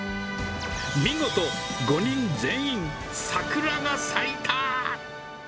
見事、５人全員、桜が咲いた。